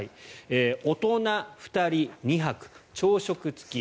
大人２人２泊朝食付き。